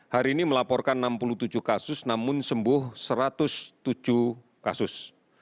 hari ini melaporkan enam puluh tujuh kasus namun sembuh satu ratus tujuh kasus